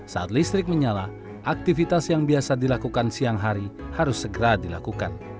saat listrik menyala aktivitas yang biasa dilakukan siang hari harus segera dilakukan